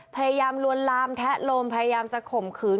พยายามลวนลามแทะโลมพยายามจะข่มขืน